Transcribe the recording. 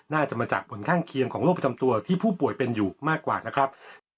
น่าจะมาจากผลข้างเคียงของโรคประจำตัวที่ผู้ป่วยเป็นอยู่มากกว่านะครับ